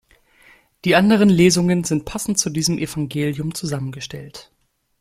Die anderen Lesungen sind passend zu diesem Evangelium zusammengestellt.